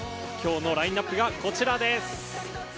今日のラインアップがこちらです。